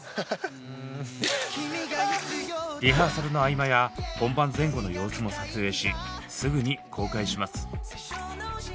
リハーサルの合間や本番前後の様子も撮影しすぐに公開します。